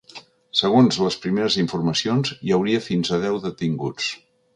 Segons les primeres informacions, hi hauria fins a deu detinguts.